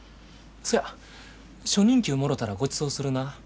そや初任給もろたらごちそうするな。